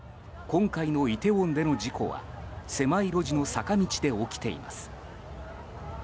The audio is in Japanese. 今回のイテウォンでの事故は狭い路地の坂道で起きています。